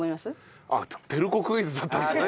あっ照子クイズだったんですね。